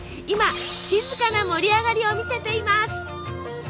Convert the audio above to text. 今静かな盛り上がりを見せています。